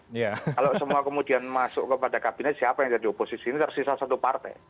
kalau semua kemudian masuk kepada kabinet siapa yang jadi oposisi ini tersisa satu partai